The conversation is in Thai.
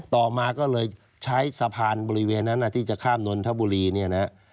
ต่อมาก็เลยใช้สะพานบริเวณนั้นที่จะข้ามนนทบุรีเนี่ยนะ